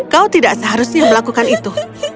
kau tidak seharusnya melakukan itu